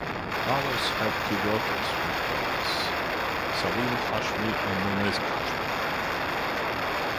Alys had two daughters with Faiz: Salima Hashmi and Muneeza Hashmi.